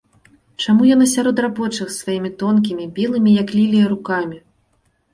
Чаму яна сярод рабочых з сваімі тонкімі, белымі, як лілія, рукамі?